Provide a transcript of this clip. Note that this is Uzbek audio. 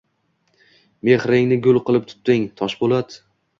Mehringni gul qilib tutding, Toshpo‘lat.